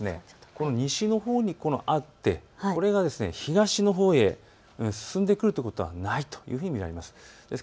この西のほうにあってこれが東のほうへ進んでくるということはないというふうに見られます。